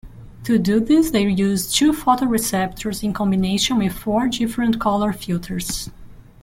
To do this they use two photoreceptors in combination with four different colour filters.